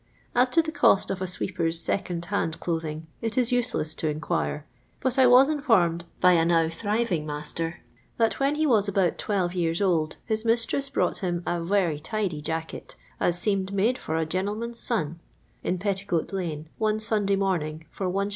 As to the cost of a sweeper's second hand clothing it is useless to inquire ; but I was informed by a nov LONDON LABOUR AND THB LONDON POOR, 367 thriTing master, that whenjhe was about twelre jean old his mistress bought him a " werrj tidy Jacket, as seemed made for a gen'Ieman's sod,'* in Petticoat lane, one Sunday morning, for Is. 6d.